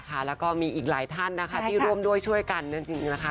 แล้วก็มีอีกหลายท่านนะคะที่ร่วมด้วยช่วยกันจริงนะคะ